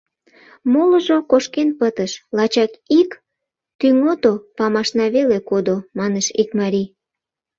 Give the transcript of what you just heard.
— Молыжо кошкен пытыш, лачак ик Тӱҥото памашна веле кодо, — манеш ик марий.